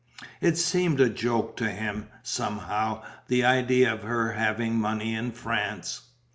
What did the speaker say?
It seemed a joke to him, somehow, the idea of her having money in France.